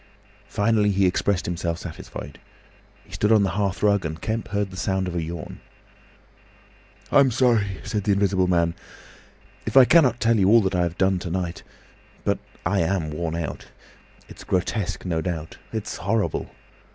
Finally he expressed himself satisfied. He stood on the hearth rug and Kemp heard the sound of a yawn. "I'm sorry," said the Invisible Man, "if I cannot tell you all that I have done to night. But I am worn out. It's grotesque, no doubt. It's horrible!